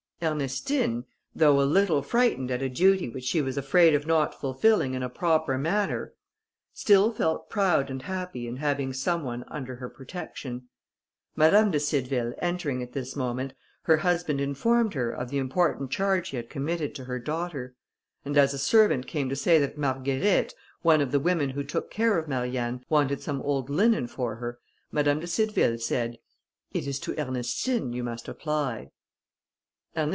Ernestine, though a little frightened at a duty, which she was afraid of not fulfilling in a proper manner, still felt proud and happy in having some one under her protection. Madame de Cideville entering at this moment, her husband informed her of the important charge he had committed to her daughter; and as a servant came to say that Marguerite, one of the women who took care of Marianne, wanted some old linen for her, Madame de Cideville said, "It is to Ernestine you must apply."